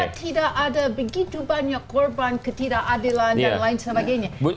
tidak ada begitu banyak korban ketidakadilan dan lain sebagainya